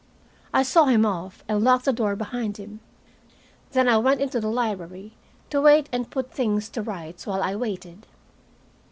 I saw him off, and locked the door behind him. Then I went into the library to wait and to put things to rights while I waited.